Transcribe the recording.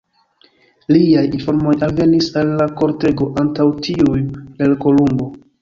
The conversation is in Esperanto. Liaj informoj alvenis al la kortego antaŭ tiuj el Kolumbo.